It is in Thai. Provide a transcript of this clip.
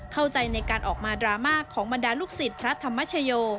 เข้าใจในการออกมาดราม่าของบรรดาลูกศิษย์พระธรรมชโย